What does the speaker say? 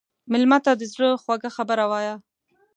مېلمه ته د زړه خوږه خبره وایه.